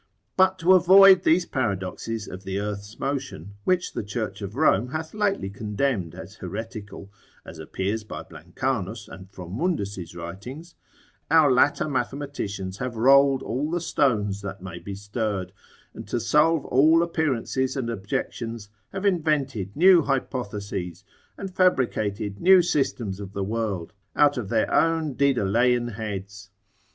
But to avoid these paradoxes of the earth's motion (which the Church of Rome hath lately condemned as heretical, as appears by Blancanus and Fromundus's writings) our latter mathematicians have rolled all the stones that may be stirred: and to solve all appearances and objections, have invented new hypotheses, and fabricated new systems of the world, out of their own Dedalaean heads.